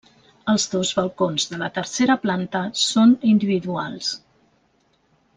Els dos balcons de la tercera planta són individuals.